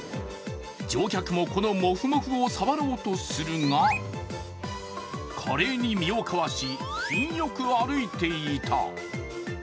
乗客も、このモフモフを触ろうとするが、華麗に身をかわし、品よく歩いていた。